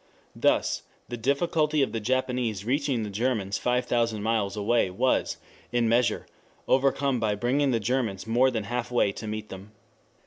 Thus the difficulty of the Japanese reaching the Germans five thousand miles away was, in measure, overcome by bringing the Germans more than half way to meet them.